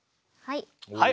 はい。